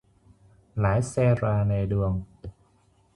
Lái xe rà lề đường